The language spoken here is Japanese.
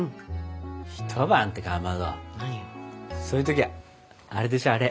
そういう時はあれでしょ？